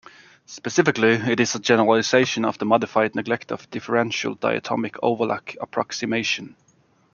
Specifically, it is a generalization of the modified neglect of differential diatomic overlap approximation.